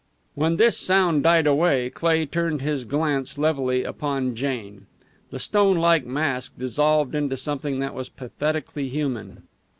When this sound died away Cleigh turned his glance levelly upon Jane. The stone like mask dissolved into something that was pathetically human.